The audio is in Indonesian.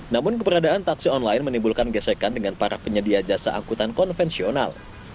namun keberadaan taksi online menimbulkan gesekan dengan para penyedia jasa angkutan konvensional